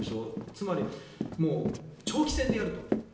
つまり、長期戦でやると。